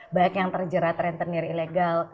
banyak yang terjerat rentenir ilegal